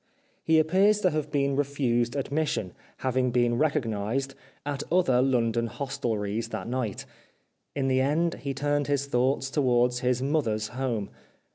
He appears to have been refused admission, having been recognised, at other London hostel ries that night. In the end he turned his thoughts towards his mother's home.